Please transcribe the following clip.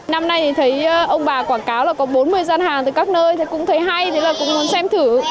năm nay thì thấy ông bà quảng cáo là có bốn mươi gian hàng từ các nơi cũng thấy hay cũng muốn xem thử